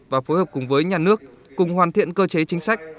và phối hợp cùng với nhà nước cùng hoàn thiện cơ chế chính sách